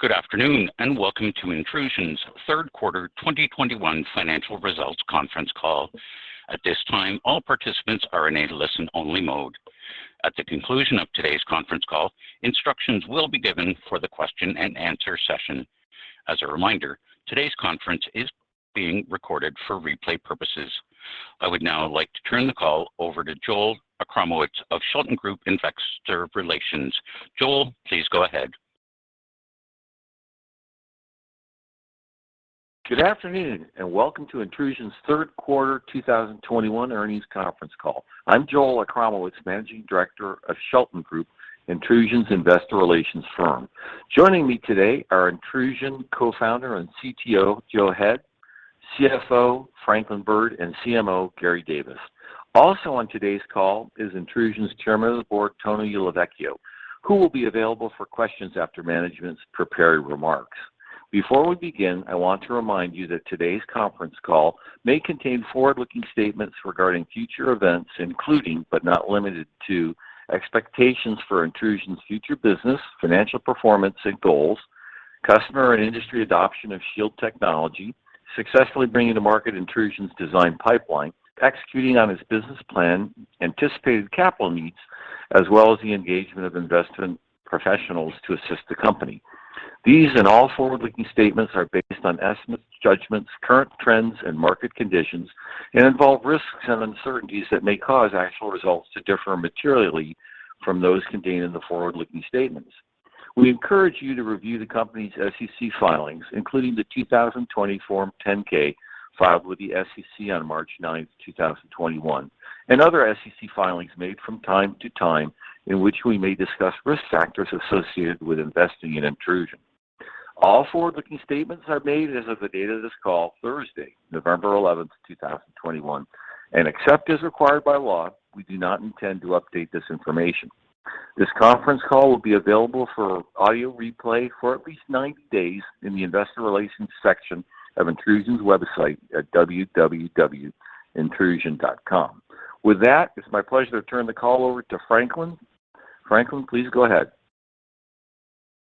Good afternoon, and welcome to Intrusion's third quarter 2021 financial results conference call. At this time, all participants are in a listen-only mode. At the conclusion of today's conference call, instructions will be given for the question-and-answer session. As a reminder, today's conference is being recorded for replay purposes. I would now like to turn the call over to Joel Achramowicz of Shelton Group Investor Relations. Joel, please go ahead. Good afternoon, and welcome to Intrusion's third quarter 2021 earnings conference call. I'm Joel Achramowicz, Managing Director of Shelton Group, Intrusion's investor relations firm. Joining me today are Intrusion Co-founder and CTO, Joe Head, CFO, Franklin Byrd, and CMO, Gary Davis. Also on today's call is Intrusion's Chairman of the Board, Tony LeVecchio, who will be available for questions after management's prepared remarks. Before we begin, I want to remind you that today's conference call may contain forward-looking statements regarding future events, including, but not limited to, expectations for Intrusion's future business, financial performance and goals, customer and industry adoption of Shield technology, successfully bringing to market Intrusion's design pipeline, executing on its business plan, anticipated capital needs, as well as the engagement of investment professionals to assist the company. These and all forward-looking statements are based on estimates, judgments, current trends, and market conditions, and involve risks and uncertainties that may cause actual results to differ materially from those contained in the forward-looking statements. We encourage you to review the company's SEC filings, including the 2020 Form 10-K filed with the SEC on March 9th, 2021, and other SEC filings made from time to time, in which we may discuss risk factors associated with investing in Intrusion. All forward-looking statements are made as of the date of this call, Thursday, November 11th, 2021, and except as required by law, we do not intend to update this information. This conference call will be available for audio replay for at least 90 days in the investor relations section of Intrusion's website at www.intrusion.com. With that, it's my pleasure to turn the call over to Franklin. Franklin, please go ahead.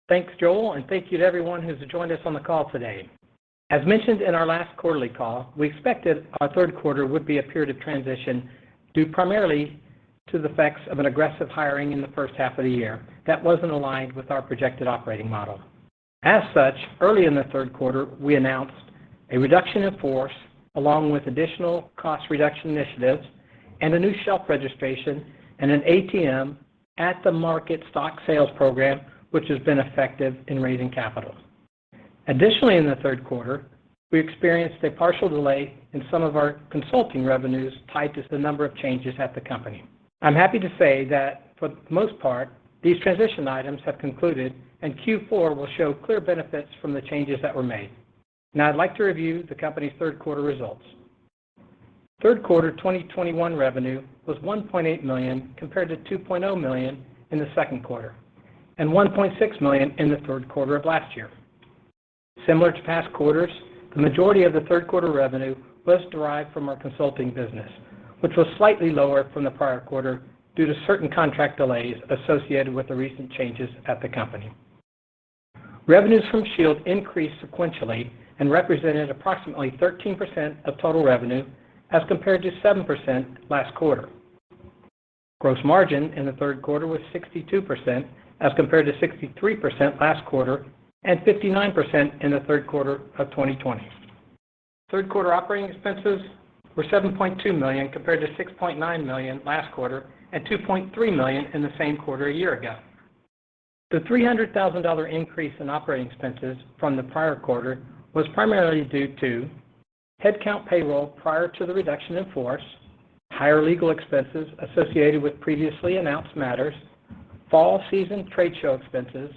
Thanks, Joel, and thank you to everyone who's joined us on the call today. As mentioned in our last quarterly call, we expected our third quarter would be a period of transition due primarily to the effects of an aggressive hiring in the first half of the year that wasn't aligned with our projected operating model. As such, early in the third quarter, we announced a reduction in force along with additional cost reduction initiatives and a new shelf registration and an ATM at-the-market stock sales program, which has been effective in raising capital. Additionally, in the third quarter, we experienced a partial delay in some of our consulting revenues tied to the number of changes at the company. I'm happy to say that for the most part, these transition items have concluded and Q4 will show clear benefits from the changes that were made. Now, I'd like to review the company's third quarter results. Third quarter 2021 revenue was $1.8 million compared to $2.0 million in the second quarter, and $1.6 million in the third quarter of last year. Similar to past quarters, the majority of the third quarter revenue was derived from our consulting business, which was slightly lower from the prior quarter due to certain contract delays associated with the recent changes at the company. Revenues from Shield increased sequentially and represented approximately 13% of total revenue as compared to 7% last quarter. Gross margin in the third quarter was 62% as compared to 63% last quarter and 59% in the third quarter of 2020. Third quarter operating expenses were $7.2 million compared to $6.9 million last quarter and $2.3 million in the same quarter a year ago. The $300,000 increase in operating expenses from the prior quarter was primarily due to headcount payroll prior to the reduction in force, higher legal expenses associated with previously announced matters, fall season trade show expenses,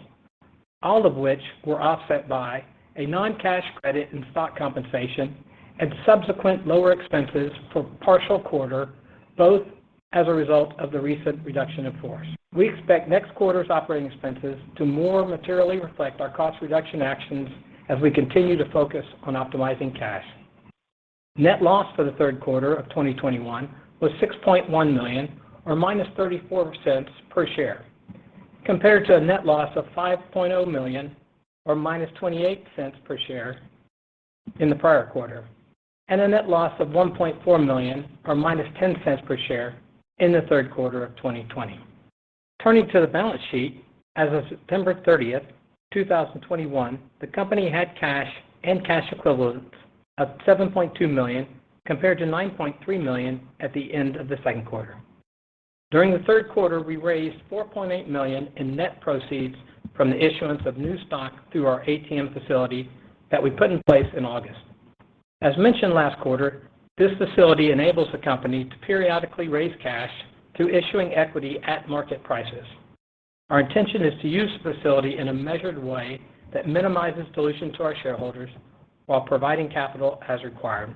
all of which were offset by a non-cash credit in stock compensation and subsequent lower expenses for partial quarter, both as a result of the recent reduction in force. We expect next quarter's operating expenses to more materially reflect our cost reduction actions as we continue to focus on optimizing cash. Net loss for the third quarter of 2021 was $6.1 million or -$0.34 per share, compared to a net loss of $5.0 million or -$0.28 per share in the prior quarter, and a net loss of $1.4 million or -$0.10 per share in the third quarter of 2020. Turning to the balance sheet, as of September 30th, 2021, the company had cash and cash equivalents of $7.2 million, compared to $9.3 million at the end of the second quarter. During the third quarter, we raised $4.8 million in net proceeds from the issuance of new stock through our ATM facility that we put in place in August. As mentioned last quarter, this facility enables the company to periodically raise cash through issuing equity at market prices. Our intention is to use the facility in a measured way that minimizes dilution to our shareholders while providing capital as required.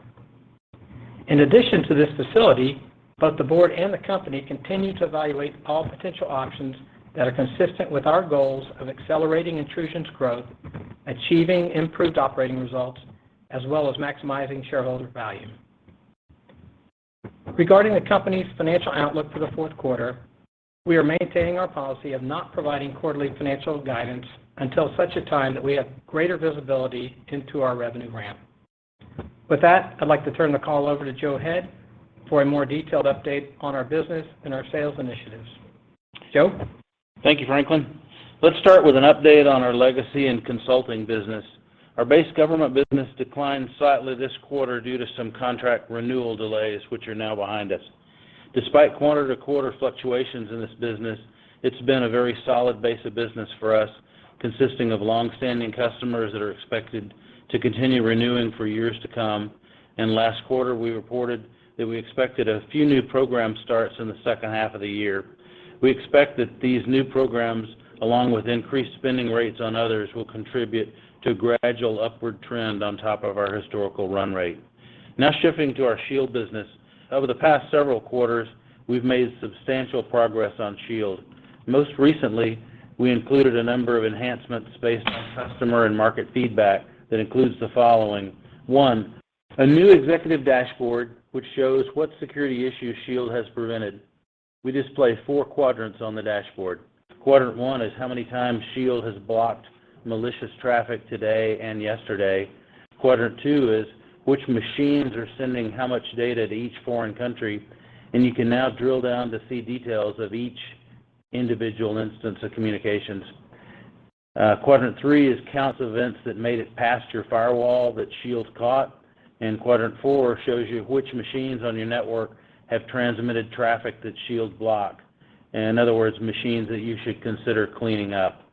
In addition to this facility, both the board and the company continue to evaluate all potential options that are consistent with our goals of accelerating Intrusion's growth, achieving improved operating results, as well as maximizing shareholder value. Regarding the company's financial outlook for the fourth quarter, we are maintaining our policy of not providing quarterly financial guidance until such a time that we have greater visibility into our revenue ramp. With that, I'd like to turn the call over to Joe Head for a more detailed update on our business and our sales initiatives. Joe? Thank you, Franklin. Let's start with an update on our legacy and consulting business. Our base government business declined slightly this quarter due to some contract renewal delays which are now behind us. Despite quarter-to-quarter fluctuations in this business, it's been a very solid base of business for us, consisting of long-standing customers that are expected to continue renewing for years to come. Last quarter, we reported that we expected a few new program starts in the second half of the year. We expect that these new programs, along with increased spending rates on others, will contribute to gradual upward trend on top of our historical run rate. Now shifting to our Shield business. Over the past several quarters, we've made substantial progress on Shield. Most recently, we included a number of enhancements based on customer and market feedback that includes the following. One, a new executive dashboard which shows what security issues Shield has prevented. We display four quadrants on the dashboard. Quadrant one is how many times Shield has blocked malicious traffic today and yesterday. Quadrant two is which machines are sending how much data to each foreign country, and you can now drill down to see details of each individual instance of communications. Quadrant three is counts events that made it past your firewall that Shield caught. Quadrant four shows you which machines on your network have transmitted traffic that Shield blocked, in other words, machines that you should consider cleaning up.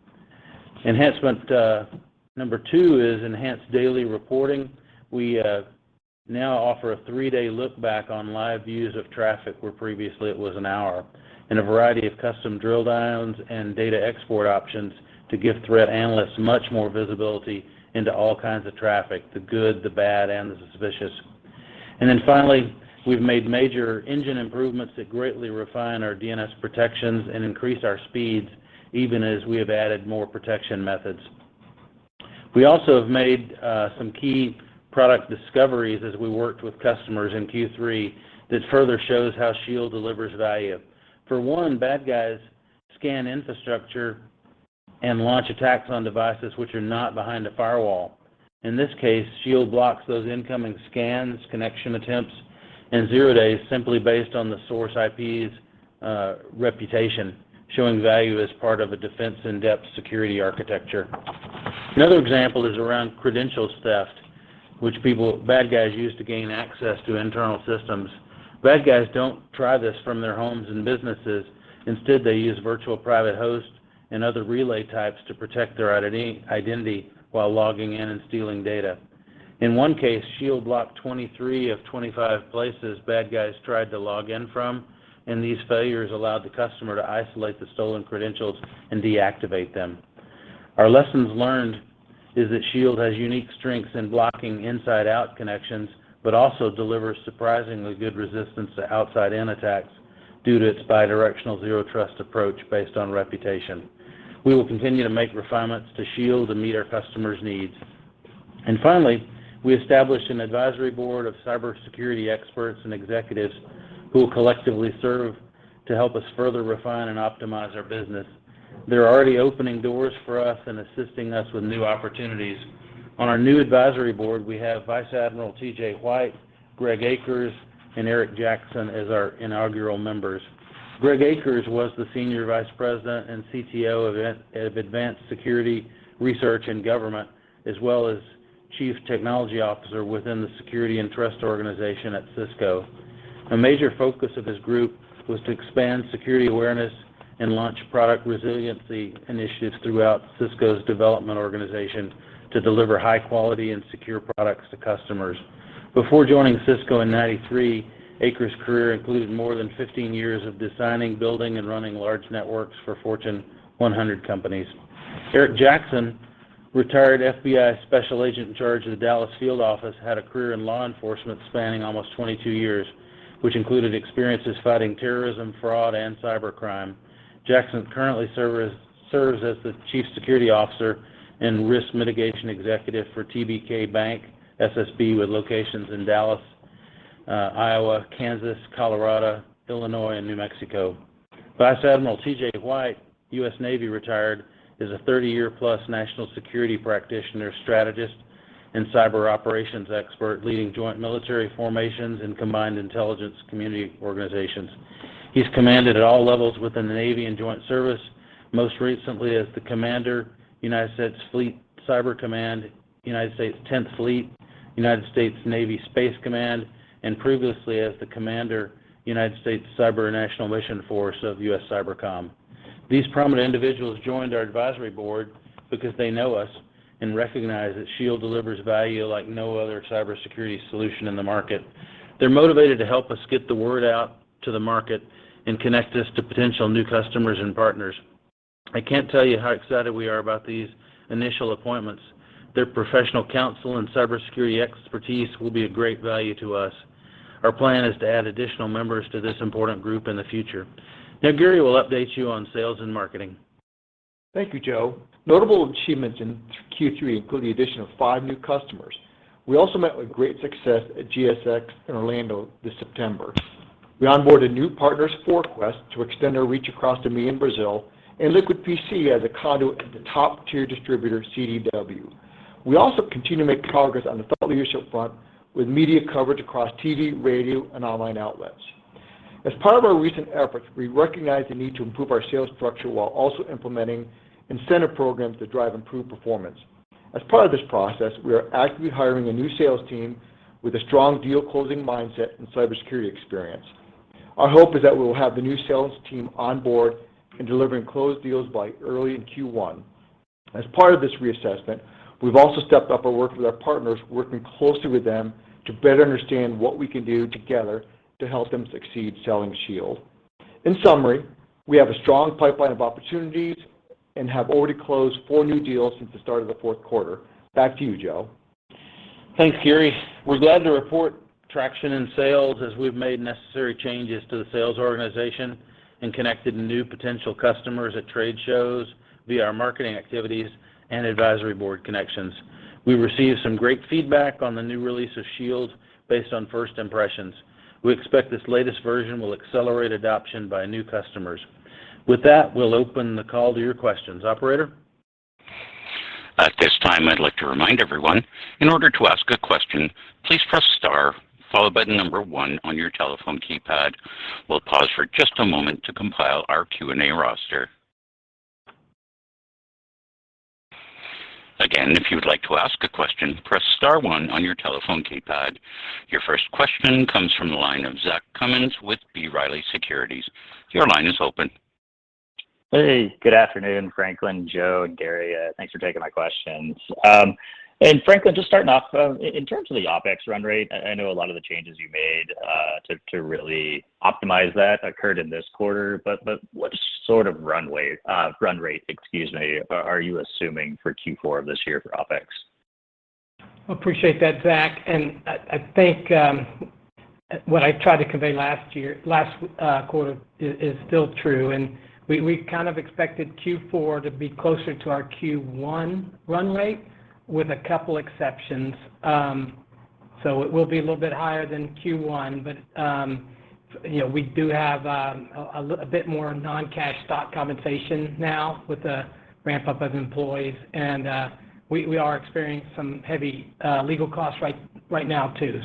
Enhancement number two is enhanced daily reporting. We now offer a three-day look back on live views of traffic, where previously it was an hour, and a variety of custom drill downs and data export options to give threat analysts much more visibility into all kinds of traffic, the good, the bad, and the suspicious. We've made major engine improvements that greatly refine our DNS protections and increase our speeds even as we have added more protection methods. We also have made some key product discoveries as we worked with customers in Q3 that further shows how Shield delivers value. For one, bad guys scan infrastructure and launch attacks on devices which are not behind a firewall. In this case, Shield blocks those incoming scans, connection attempts, and zero-days simply based on the source IP's reputation, showing value as part of a defense in-depth security architecture. Another example is around credentials theft, which bad guys use to gain access to internal systems. Bad guys don't try this from their homes and businesses. Instead, they use virtual private hosts and other relay types to protect their identity while logging in and stealing data. In one case, Shield blocked 23 of 25 places bad guys tried to log in from, and these failures allowed the customer to isolate the stolen credentials and deactivate them. Our lessons learned is that Shield has unique strengths in blocking inside out connections, but also delivers surprisingly good resistance to outside in attacks due to its bidirectional zero trust approach based on reputation. We will continue to make refinements to Shield to meet our customers' needs. Finally, we established an advisory board of cybersecurity experts and executives who will collectively serve to help us further refine and optimize our business. They're already opening doors for us and assisting us with new opportunities. On our new advisory board, we have Vice Admiral T.J. White, Greg Akers, and Eric Jackson as our inaugural members. Greg Akers was the Senior Vice President and CTO of Advanced Security Research in Government, as well as Chief Technology Officer within the Security and Trust Organization at Cisco. A major focus of his group was to expand security awareness and launch product resiliency initiatives throughout Cisco's development organization to deliver high-quality and secure products to customers. Before joining Cisco in 1993, Akers' career included more than 15 years of designing, building, and running large networks for Fortune 100 companies. Eric Jackson, retired FBI Special Agent in Charge of the Dallas Field Office, had a career in law enforcement spanning almost 22 years, which included experiences fighting terrorism, fraud, and cybercrime. Jackson currently serves as the Chief Security Officer and Risk Mitigation Executive for TBK Bank, SSB, with locations in Dallas, Iowa, Kansas, Colorado, Illinois, and New Mexico. Vice Admiral T.J. White, U.S. Navy Retired, is a 30-year-plus national security practitioner, strategist, and cyber operations expert leading joint military formations and combined intelligence community organizations. He's commanded at all levels within the Navy and Joint Service, most recently as the Commander, U.S. Fleet Cyber Command, U.S. Tenth Fleet, U.S. Navy Space Command, and previously as the Commander, Cyber National Mission Force of U.S. Cyber Command. These prominent individuals joined our advisory board because they know us and recognize that Shield delivers value like no other cybersecurity solution in the market. They're motivated to help us get the word out to the market and connect us to potential new customers and partners. I can't tell you how excited we are about these initial appointments. Their professional counsel and cybersecurity expertise will be of great value to us. Our plan is to add additional members to this important group in the future. Now, Gary will update you on sales and marketing. Thank you, Joe. Notable achievements in Q3 include the addition of five new customers. We also met with great success at GSX in Orlando this September. We onboarded new partners, Forequest, to extend our reach across EMEA and Brazil, and Liquid PC as a conduit to top-tier distributor CDW. We also continue to make progress on the thought leadership front with media coverage across TV, radio, and online outlets. As part of our recent efforts, we recognize the need to improve our sales structure while also implementing incentive programs to drive improved performance. As part of this process, we are actively hiring a new sales team with a strong deal-closing mindset and cybersecurity experience. Our hope is that we will have the new sales team on board and delivering closed deals by early in Q1. As part of this reassessment, we've also stepped up our work with our partners, working closely with them to better understand what we can do together to help them succeed selling Shield. In summary, we have a strong pipeline of opportunities and have already closed four new deals since the start of the fourth quarter. Back to you, Joe. Thanks, Gary. We're glad to report traction in sales as we've made necessary changes to the sales organization and connected new potential customers at trade shows via our marketing activities and advisory board connections. We received some great feedback on the new release of Shield based on first impressions. We expect this latest version will accelerate adoption by new customers. With that, we'll open the call to your questions. Operator? At this time, I'd like to remind everyone, in order to ask a question, please press Star followed by the number One on your telephone keypad. We'll pause for just a moment to compile our Q&A roster. Again, if you would like to ask a question, press Star One on your telephone keypad. Your first question comes from the line of Zach Cummins with B. Riley Securities. Your line is open. Hey, good afternoon, Franklin, Joe, and Gary. Thanks for taking my questions. Franklin, just starting off, in terms of the OpEx run rate, I know a lot of the changes you made to really optimize that occurred in this quarter, but what sort of run rate, excuse me, are you assuming for Q4 of this year for OpEx? Appreciate that, Zach. I think what I tried to convey last quarter is still true, and we kind of expected Q4 to be closer to our Q1 run rate with a couple exceptions. It will be a little bit higher than Q1, but you know, we do have a bit more non-cash stock compensation now with the ramp-up of employees. We are experiencing some heavy legal costs right now too.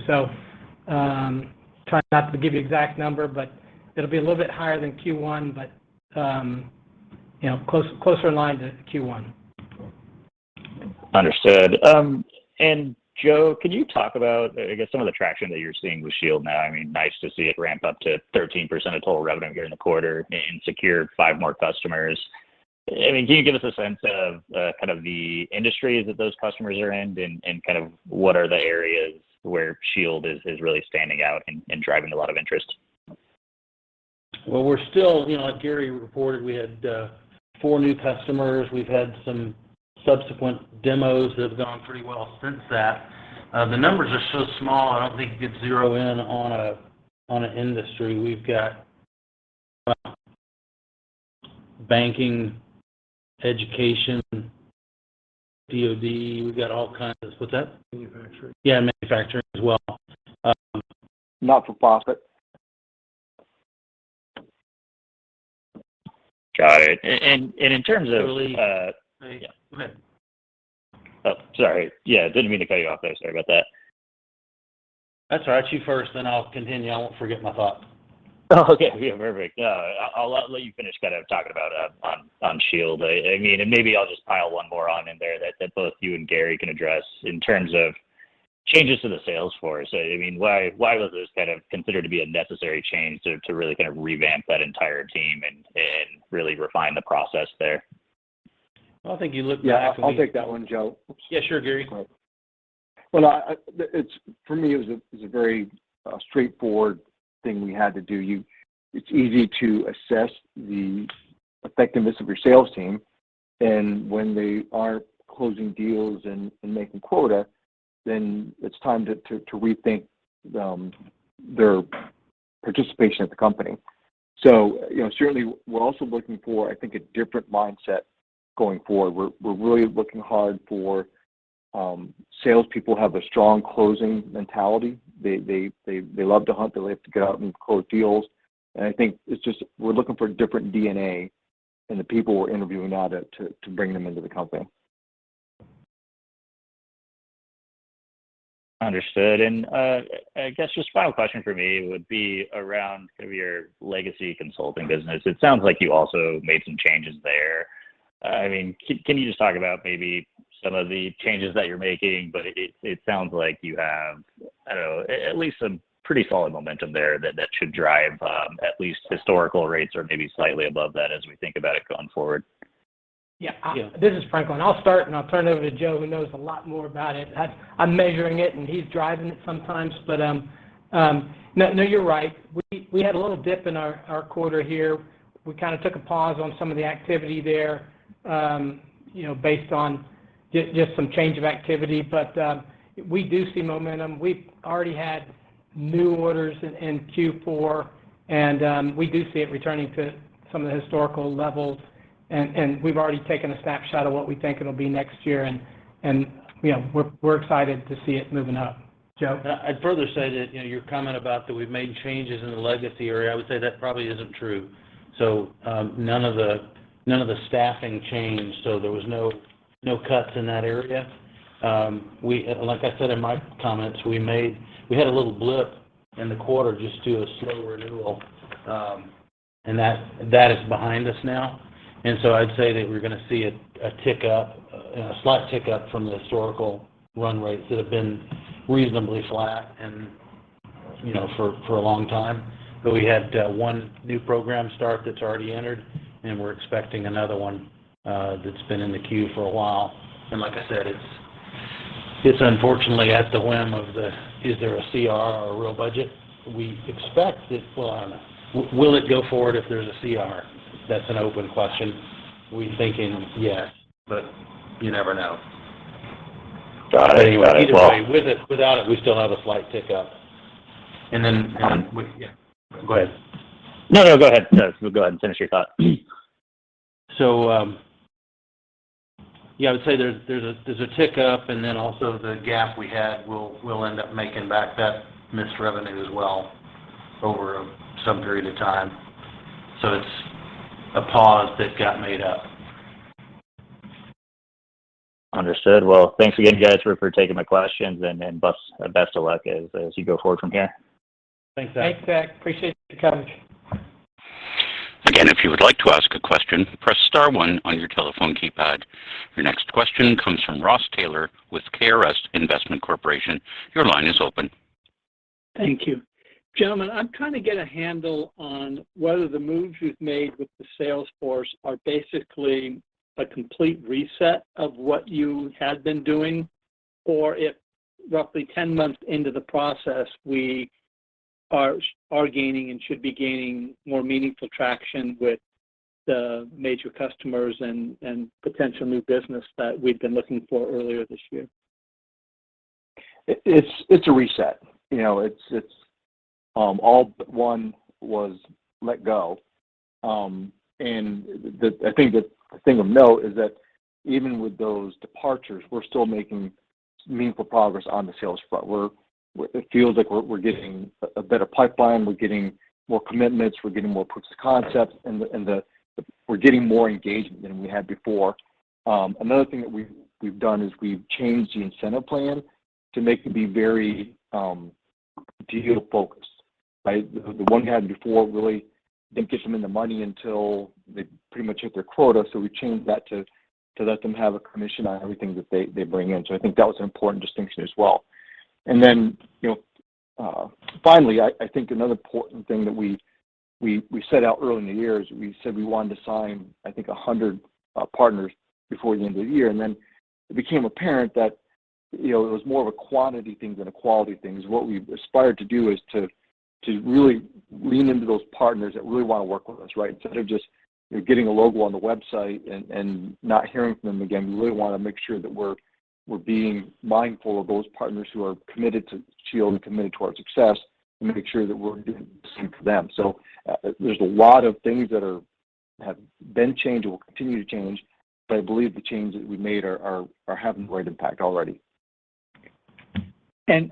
I try not to give you exact number, but it'll be a little bit higher than Q1, but you know, closer in line to Q1. Understood. Joe, could you talk about, I guess, some of the traction that you're seeing with Shield now? I mean, nice to see it ramp up to 13% of total revenue during the quarter and secure five more customers. I mean, can you give us a sense of kind of the industries that those customers are in and kind of what are the areas where Shield is really standing out and driving a lot of interest? Well, we're still, you know, as Gary reported, we had four new customers. We've had some subsequent demos that have gone pretty well since that. The numbers are so small, I don't think you can zero in on a industry. We've got banking, education, DoD. We've got all kinds of. What's that? Manufacturing. Yeah, manufacturing as well. Not-for-profit. Got it. In terms of, Yeah. Go ahead. Oh, sorry. Yeah, didn't mean to cut you off there. Sorry about that. That's all right. You first, then I'll continue. I won't forget my thought. Okay. Yeah, perfect. No, I'll let you finish kind of talking about on Shield. I mean, maybe I'll just pile one more on in there that both you and Gary can address in terms of changes to the sales force. I mean, why was this kind of considered to be a necessary change to really kind of revamp that entire team and really refine the process there? I think you look back. Yeah, I'll take that one, Joe. Yeah, sure, Gary. Well, for me, it was a very straightforward thing we had to do. It's easy to assess the effectiveness of your sales team, and when they aren't closing deals and making quota, then it's time to rethink their participation at the company. You know, certainly we're also looking for, I think, a different mindset going forward. We're really looking hard for salespeople have a strong closing mentality. They love to hunt, they like to get out and close deals. I think it's just we're looking for different DNA in the people we're interviewing now to bring them into the company. Understood. I guess just final question for me would be around kind of your legacy consulting business. It sounds like you also made some changes there. I mean, can you just talk about maybe some of the changes that you're making? It sounds like you have, I don't know, at least some pretty solid momentum there that should drive at least historical rates or maybe slightly above that as we think about it going forward. Yeah. Yeah. This is Franklin. I'll start, and I'll turn it over to Joe, who knows a lot more about it. I'm measuring it, and he's driving it sometimes. No, you're right. We had a little dip in our quarter here. We kind of took a pause on some of the activity there, you know, based on just some change of activity. We do see momentum. We've already had new orders in Q4, and we do see it returning to some of the historical levels. We've already taken a snapshot of what we think it'll be next year and, you know, we're excited to see it moving up. Joe? I'd further say that, you know, your comment about that we've made changes in the legacy area, I would say that probably isn't true. None of the staffing changed, so there was no cuts in that area. Like I said in my comments, we had a little blip in the quarter just due to slow renewal, and that is behind us now. I'd say that we're gonna see a tick up, a slight tick up from the historical run rates that have been reasonably flat and, you know, for a long time. We had one new program start that's already entered, and we're expecting another one that's been in the queue for a while. Like I said, it's unfortunately at the whim of whether there is a CR or a real budget. We expect it will. Will it go forward if there's a CR? That's an open question. We're thinking yes, but you never know. Got it. Anyway. Either way, with it, without it, we still have a slight tick up. Yeah, go ahead. No, no, go ahead. No, go ahead and finish your thought. Yeah, I would say there's a tick up, and then also the gap we had. We'll end up making back that missed revenue as well over some period of time. It's a pause that got made up. Understood. Well, thanks again, guys, for taking my questions, and best of luck as you go forward from here. Thanks, Zach. Thanks, Zach. Appreciate you coming. Again, if you would like to ask a question, press Star One on your telephone keypad. Your next question comes from Ross Taylor with ARS Investment Partners. Your line is open. Thank you. Gentlemen, I'm trying to get a handle on whether the moves you've made with the sales force are basically a complete reset of what you had been doing, or if roughly 10 months into the process, we are gaining and should be gaining more meaningful traction with the major customers and potential new business that we'd been looking for earlier this year? It's a reset. You know, it's all but one was let go. I think the thing of note is that even with those departures, we're still making meaningful progress on the sales front. It feels like we're getting a better pipeline. We're getting more commitments. We're getting more proofs of concepts, and we're getting more engagement than we had before. Another thing that we've done is we've changed the incentive plan to make it be very deal-focused, right? The one we had before really didn't get them into money until they pretty much hit their quota, so we changed that to let them have a commission on everything that they bring in. I think that was an important distinction as well. Then, you know, finally, I think another important thing that we set out early in the year is we said we wanted to sign, I think, 100 partners before the end of the year. It became apparent that, you know, it was more of a quantity thing than a quality thing. What we've aspired to do is to really lean into those partners that really wanna work with us, right? Instead of just, you know, getting a logo on the website and not hearing from them again, we really wanna make sure that we're being mindful of those partners who are committed to Shield and committed to our success and make sure that we're doing the same for them. There's a lot of things that have been changed and will continue to change, but I believe the changes we made are having the right impact already.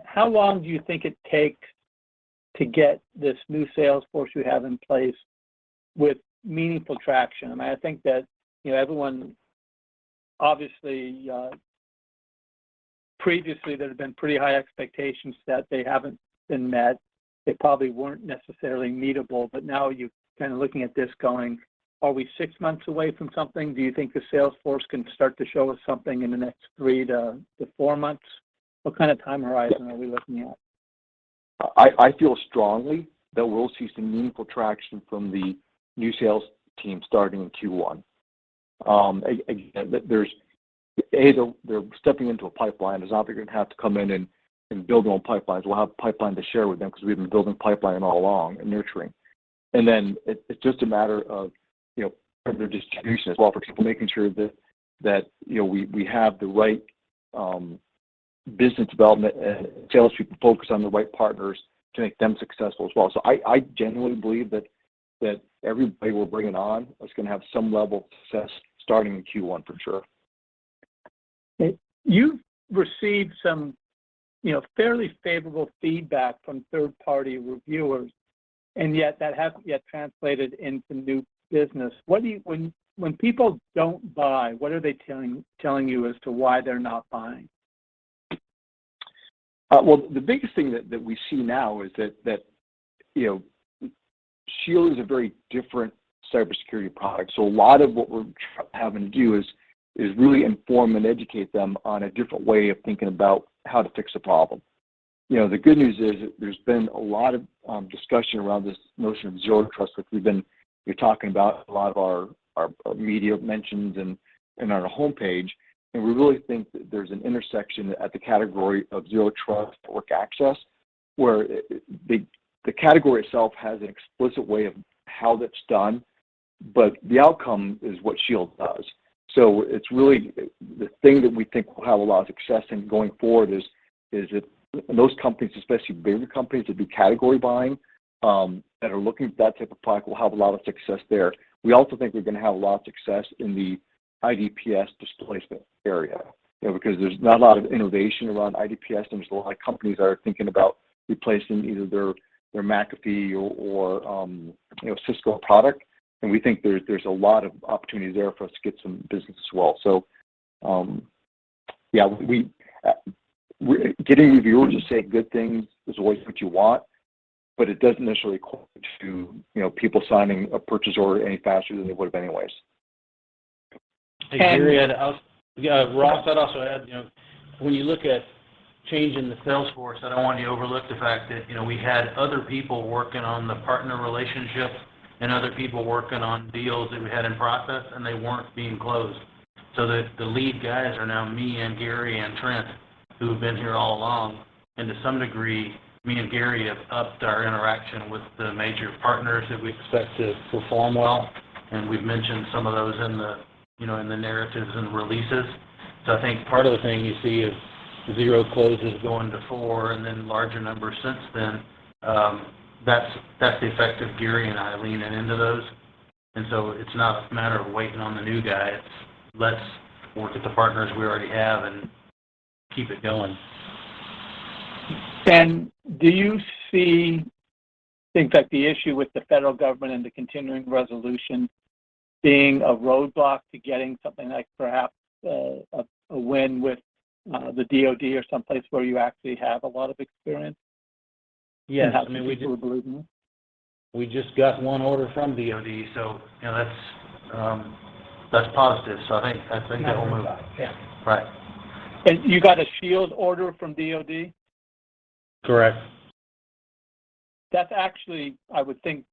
How long do you think it takes to get this new sales force you have in place with meaningful traction? I mean, I think that, you know, everyone, obviously, previously there have been pretty high expectations that they haven't been met. They probably weren't necessarily meetable, but now you're kind of looking at this going, are we six months away from something? Do you think the sales force can start to show us something in the next three to four months? What kind of time horizon are we looking at? I feel strongly that we'll see some meaningful traction from the new sales team starting in Q1. Again, there's a pipeline they're stepping into. They're not going to have to come in and build their own pipelines. We'll have a pipeline to share with them because we've been building pipeline all along and nurturing. It's just a matter of, you know, partner distribution as well. For example, making sure that you know we have the right business development and sales people focused on the right partners to make them successful as well. I genuinely believe that everybody we're bringing on is gonna have some level of success starting in Q1 for sure. You've received some, you know, fairly favorable feedback from third-party reviewers, and yet that hasn't yet translated into new business. When people don't buy, what are they telling you as to why they're not buying? The biggest thing that we see now is that, you know, Shield is a very different cybersecurity product. A lot of what we're having to do is really inform and educate them on a different way of thinking about how to fix a problem. You know, the good news is there's been a lot of discussion around this notion of zero trust, which we've been, you know, talking about a lot of our media mentions and in our homepage. We really think that there's an intersection at the category of zero trust work access, where the category itself has an explicit way of how that's done. The outcome is what Shield does. It's really the thing that we think will have a lot of success in going forward is if those companies, especially bigger companies that do category buying, that are looking at that type of product will have a lot of success there. We also think we're gonna have a lot of success in the IDPS displacement area, you know, because there's not a lot of innovation around IDPS, and there's a lot of companies that are thinking about replacing either their McAfee or Cisco product. We think there's a lot of opportunity there for us to get some business as well. Getting reviewers to say good things is always what you want, but it doesn't necessarily correlate to, you know, people signing a purchase order any faster than they would have anyways. And- Hey, Gary, yeah, Ross, I'd also add, you know, when you look at changing the sales force, I don't want you to overlook the fact that, you know, we had other people working on the partner relationships and other people working on deals that we had in process, and they weren't being closed. The lead guys are now me and Gary and Trent, who have been here all along. To some degree, me and Gary have upped our interaction with the major partners that we expect to perform well, and we've mentioned some of those in the, you know, in the narratives and releases. I think part of the thing you see is 0 closes going to four and then larger numbers since then. That's the effect of Gary and I leaning into those. It's not a matter of waiting on the new guy. It's, "Let's work with the partners we already have and keep it going. Do you think that the issue with the federal government and the continuing resolution being a roadblock to getting something like perhaps a win with the DoD or someplace where you actually have a lot of experience? Yes. I mean, we just- How feasible a belief is that? We just got one order from DoD, so you know that's positive. I think it'll move. That's a good sign. Yeah. Right. You got a Shield order from DoD? Correct. That's actually, I would think,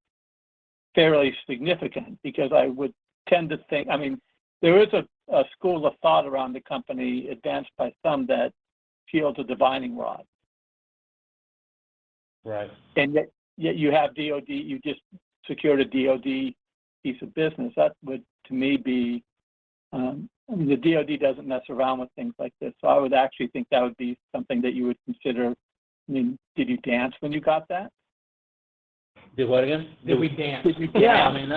fairly significant because I would tend to think. I mean, there is a school of thought around the company advanced by some that Shield's a divining rod. Right. Yet you have DoD, you just secured a DoD piece of business. That would, to me, be. I mean, the DoD doesn't mess around with things like this, so I would actually think that would be something that you would consider. I mean, did you dance when you got that? Do what again? Did we dance? Did we dance? Yeah. I mean,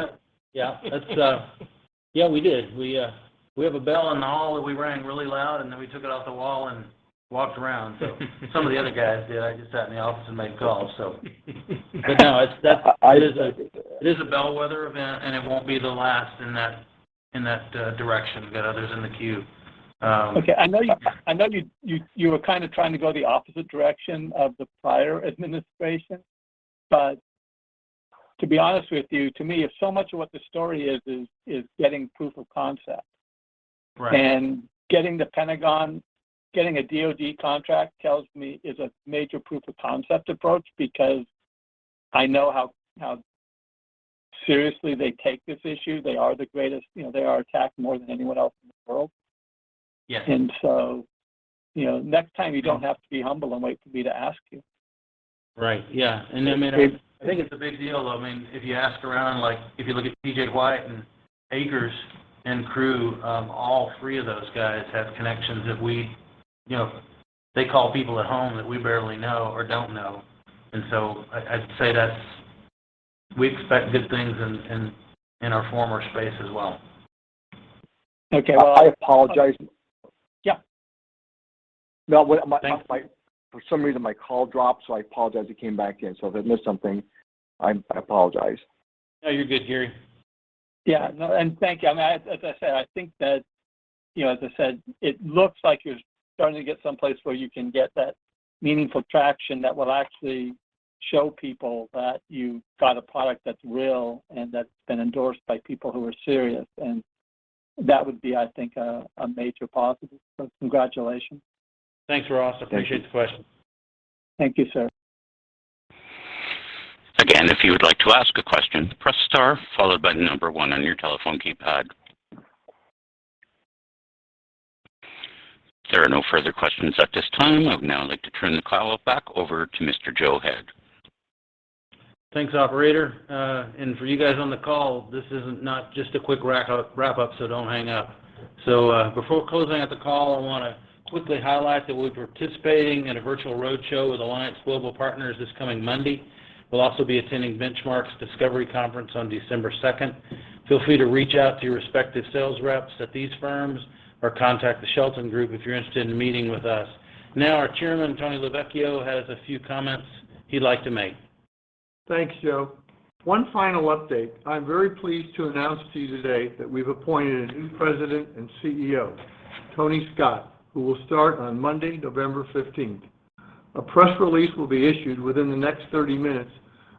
yeah. That's yeah, we did. We have a bell in the hall that we rang really loud, and then we took it off the wall and walked around, so. Some of the other guys did. I just sat in the office and made calls, so. No, it's a bellwether event, and it won't be the last in that direction. We've got others in the queue. Okay. I know you were kind of trying to go the opposite direction of the prior administration, but to be honest with you, to me, if so much of what the story is is getting proof of concept. Right Getting the Pentagon, getting a DoD contract tells me is a major proof of concept approach because I know how seriously they take this issue. They are the greatest, you know. They are attacked more than anyone else in the world. Yeah. you know, next time you don't have to be humble and wait for me to ask you. Right. Yeah. I mean, I think it's a big deal, though. I mean, if you ask around, like, if you look at T.J. White and Akers and crew, all three of those guys have connections that we, you know, they call people at home that we barely know or don't know. I'd say that's. We expect good things in our former space as well. Okay. I apologize. Yeah. No. For some reason, my call dropped, so I apologize. It came back in, so if I missed something, I apologize. No, you're good, Gary. Yeah. No. Thank you. I mean, as I said, I think that, you know, as I said, it looks like you're starting to get someplace where you can get that meaningful traction that will actually show people that you've got a product that's real and that's been endorsed by people who are serious. That would be, I think, a major positive, so congratulations. Thanks, Ross. I appreciate the question. Thank you, sir. If you would like to ask a question, press Star followed by the number One on your telephone keypad. There are no further questions at this time. I would now like to turn the call back over to Mr. Joe Head. Thanks, operator. And for you guys on the call, this isn't just a quick wrap up, so don't hang up. Before closing out the call, I wanna quickly highlight that we're participating in a virtual roadshow with Alliance Global Partners this coming Monday. We'll also be attending Benchmark's Discovery Conference on December 2nd. Feel free to reach out to your respective sales reps at these firms or contact the Shelton Group if you're interested in meeting with us. Now, our chairman, Tony LeVecchio, has a few comments he'd like to make. Thanks, Joe. One final update. I'm very pleased to announce to you today that we've appointed a new President and CEO, Tony Scott, who will start on Monday, November 15. A press release will be issued within the next 30 minutes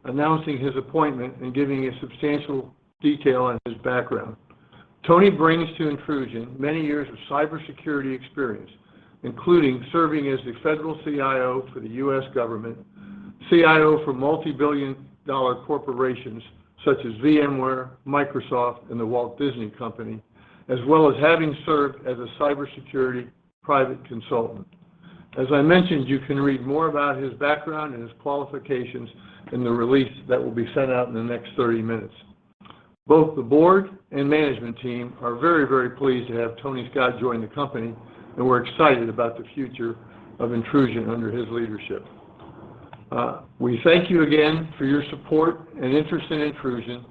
announcing his appointment and giving you substantial detail on his background. Tony brings to Intrusion many years of cybersecurity experience, including serving as the federal CIO for the U.S. government, CIO for multi-billion dollar corporations such as VMware, Microsoft, and The Walt Disney Company, as well as having served as a cybersecurity private consultant. As I mentioned, you can read more about his background and his qualifications in the release that will be sent out in the next 30 minutes. Both the board and management team are very, very pleased to have Tony Scott join the company, and we're excited about the future of Intrusion under his leadership. We thank you again for your support and interest in Intrusion.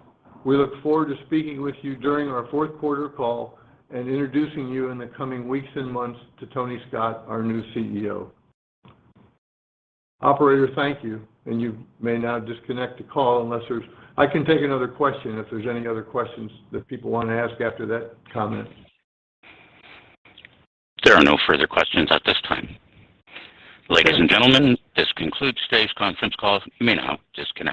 We look forward to speaking with you during our fourth quarter call and introducing you in the coming weeks and months to Tony Scott, our new CEO. Operator, thank you, and you may now disconnect the call. I can take another question if there's any other questions that people wanna ask after that comment. There are no further questions at this time. Ladies and gentlemen, this concludes today's conference call. You may now disconnect.